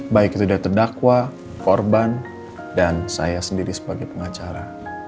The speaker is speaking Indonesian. baik itu dari terdakwa korban dan saya sendiri sebagai pengacara